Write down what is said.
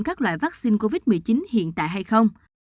các loại vaccine covid một mươi chín hiện tại hay không